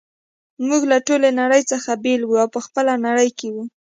موږ له ټولې نړۍ څخه بیل وو او په خپله نړۍ کي وو.